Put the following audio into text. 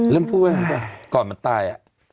เริ่มพูดว่าก่อนมันตาย